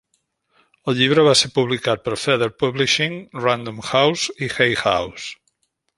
El llibre va ser publicat per Feather Publishing, Random House i Hay House.